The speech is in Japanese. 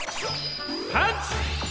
パンチ！